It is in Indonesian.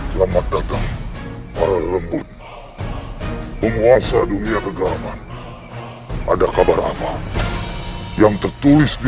selamat datang para lembut penguasa dunia kegelaman ada kabar aman yang tertulis di